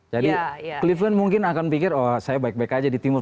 jadi cleveland mungkin akan pikir oh saya baik baik aja di timur